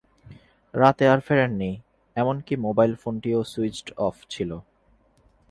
রাতে আর ফেরেননি, এমনকি মোবাইল ফোনটিও সুইচড অফ ছিল।